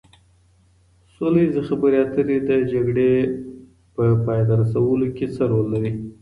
سوله ييزې خبرې اترې د جګړو په پای ته رسولو کي څه رول لري؟